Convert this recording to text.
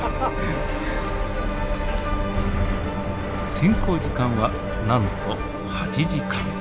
潜航時間はなんと８時間。